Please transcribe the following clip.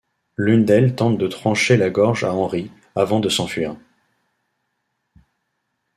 L'une d'elles tente de trancher la gorge à Henri avant de s'enfuir.